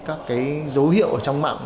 các cái dấu hiệu ở trong mạng